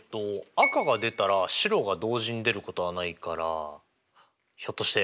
赤が出たら白が同時に出ることはないからひょっとしてあれですね！？